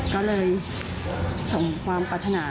ก็เลยส่งความปรารถนา